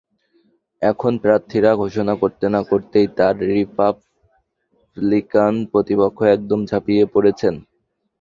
এখন প্রার্থিতা ঘোষণা করতে না-করতেই তাঁর রিপাবলিকান প্রতিপক্ষ একদম ঝাঁপিয়ে পড়েছেন।